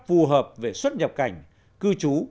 phù hợp về xuất nhập cảnh cư trú